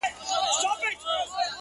خو ده ويله چي په لاره کي خولگۍ نه غواړم!